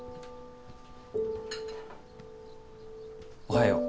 おはよう。